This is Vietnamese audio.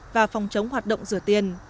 và phòng chống hoạt động rửa tiền